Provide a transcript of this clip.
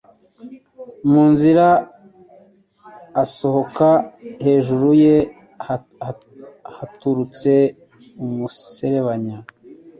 Mu nzira asohoka hejuru ye haturutse umuserebanya